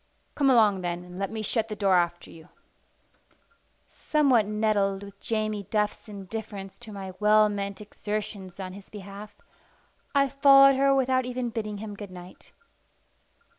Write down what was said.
"Come along, then, and let me shut the door after you." Somewhat nettled with Jamie Duff's indifference to my well meant exertions on his behalf, I followed her without even bidding him good night.